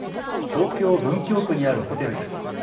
東京文京区にあるホテルです。